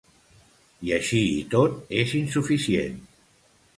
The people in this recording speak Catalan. I així i tot és insuficient.